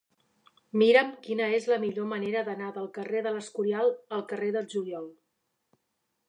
Mira'm quina és la millor manera d'anar del carrer de l'Escorial al carrer del Juliol.